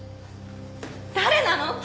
誰なの？